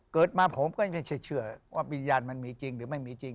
เกิดมาผมก็ไม่ใช่เชื่อว่าวิญญาณมันมีจริงหรือไม่มีจริง